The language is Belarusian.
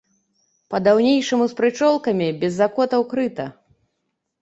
Па-даўнейшаму з прычолкамі, без закотаў крыта.